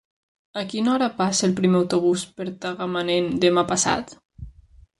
A quina hora passa el primer autobús per Tagamanent demà passat?